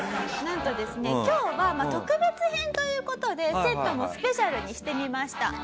なんとですね今日は特別編という事でセットもスペシャルにしてみました。